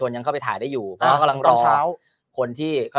ยังเข้าไปถ่ายได้อยู่เพราะกำลังรอเช้าคนที่เขา